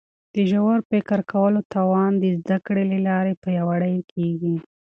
د ژور فکر کولو توان د زده کړي له لارې پیاوړی کیږي.